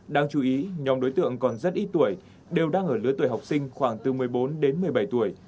đáng chú ý nhóm đối tượng còn rất ít tuổi đều đang ở lưới tuổi học sinh khoảng bốn mươi bốn đến một mươi bảy tuổi